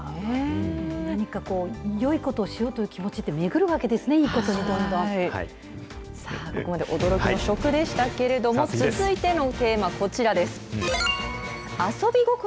何かよいことをしようという気持ちって、巡るわけですね、いここまで驚きの食でしたけれども、続いてのテーマ、こちらです。